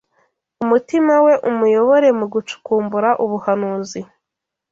Umutima we umuyobore mu gucukumbura ubuhanuzi